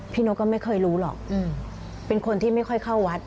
นกก็ไม่เคยรู้หรอกเป็นคนที่ไม่ค่อยเข้าวัด